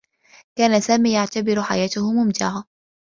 كان سامي يعتبر حياته ممتعة.